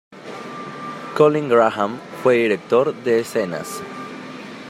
Colin Graham fue director de escena.